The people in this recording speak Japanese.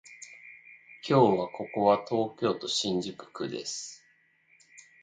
今日はここは東京都新宿区です